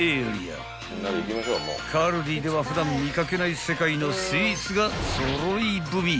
［カルディでは普段見掛けない世界のスイーツが揃い踏み］